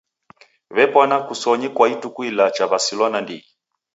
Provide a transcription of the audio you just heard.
W'epwana kusonyi kwa ituku ilacha w'asilwa nandighi.